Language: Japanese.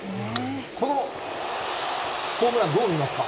このホームラン、どう見ますか。